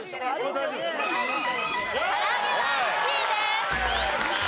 から揚げは１位です。